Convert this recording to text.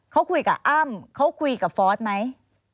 เขาคุยกับอ้ำเขาคุยกับฟอสไหม